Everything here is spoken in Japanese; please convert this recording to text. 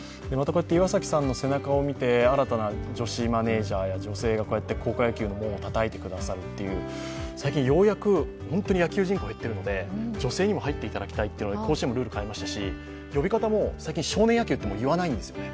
岩崎さんの背中を見て、新たな女子マネージャーこうやって高校野球の門をたたいてくださるという、最近ようやく、本当に野球人口が入っていただきたいというのは甲子園もルール変えましたし、呼び方も最近少年野球っていわないんですよね。